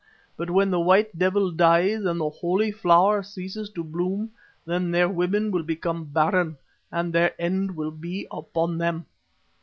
But when the White Devil dies and the Holy Flower ceases to bloom, then their women will become barren and their end will be upon them."